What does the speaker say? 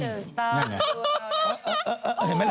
ถูกเห็นไหมล่ะ